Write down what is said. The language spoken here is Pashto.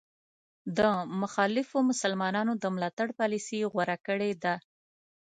د مخالفو مسلمانانو د ملاتړ پالیسي غوره کړې ده.